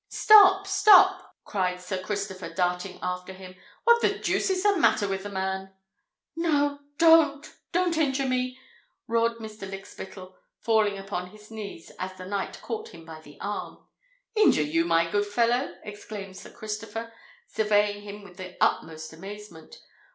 "Stop—stop!" cried Sir Christopher, darting after him. "What the deuce is the matter with the man?" "No—don't—don't injure me!" roared Mr. Lykspittal, falling upon his knees, as the knight caught him by the arm. "Injure you, my good fellow!" exclaimed Sir Christopher, surveying him with the utmost amazement.